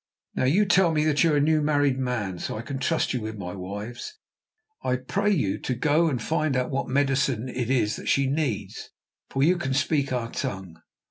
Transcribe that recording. Now, you tell me that you are a new married man, so I can trust you with my wives. I pray you to go and find out what medicine it is that she needs, for you can speak our tongue."